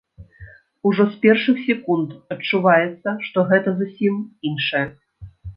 Ужо з першых секунд адчуваецца, што гэта зусім іншае.